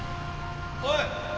おい！